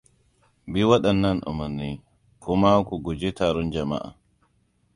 Bi waɗannan umarni, kuma ku guji taron jama'a.